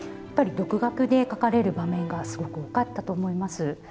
やっぱり独学で描かれる場面がすごく多かったと思います。